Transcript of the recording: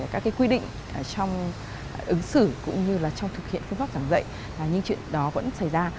các quy định trong ứng xử cũng như là trong thực hiện phương pháp giảng dạy những chuyện đó vẫn xảy ra